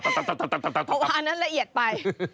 เพราะว่าอันนั้นละเอียดไป